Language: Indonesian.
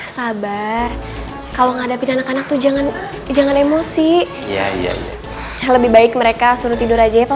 sabar kalau menghadapi anak anak tuh jangan jangan emosi ya lebih baik mereka suruh tidur aja ya pak